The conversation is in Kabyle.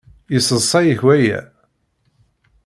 Yesseḍsay-ik waya?